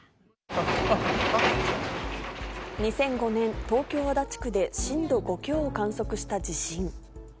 ２００５年、東京・足立区で震度５強を観測した地震。